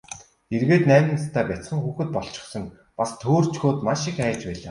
Эргээд найман настай бяцхан хүүхэд болчихсон, бас төөрчхөөд маш их айж байлаа.